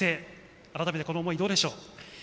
改めて、この思いどうでしょう？